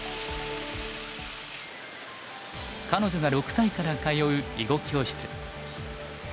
彼女が６歳から通う囲碁教室。